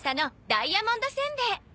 ダイヤモンドせんべい」。